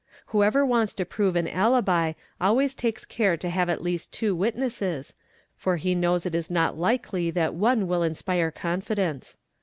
Whoever wants to prove an alibi always takes care to have at 'least two witnesses, for he knows it is not likely that one will inspire confidence.